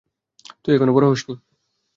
তুই এখনো বড় হসনি।